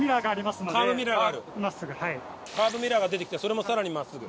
カーブミラーが出てきたらそれもさらに真っすぐ。